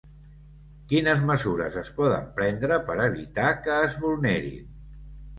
Quines mesures es poden prendre per evitar que es vulnerin?